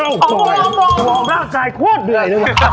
บอกบ้างใจควรดื่อย